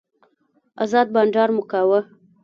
ازاد بانډار مو کاوه.